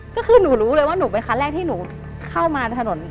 ก็คือหนูรู้เลยว่าหนูเป็นคันแรกที่หนูเข้ามาในถนน